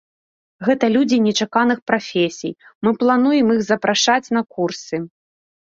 Гэта людзі нечаканых прафесій, мы плануем іх запрашаць на курсы.